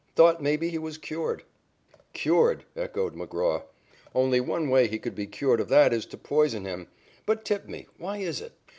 Thought maybe he was cured." "Cured!" echoed McGraw. "Only way he could be cured of that is to poison him. But tip me. Why is it?"